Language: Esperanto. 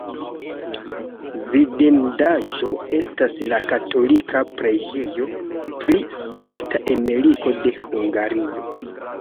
Vidindaĵo estas la katolika preĝejo pri Sankta Emeriko de Hungario.